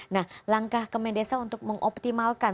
nah langkah kemendesa untuk mengoptimalkan